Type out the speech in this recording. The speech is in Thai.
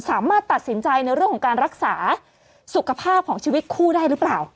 สามารถตัดสินใจในเรื่องของการรักษาสุขภาพของชีวิตคู่ได้หรือเปล่า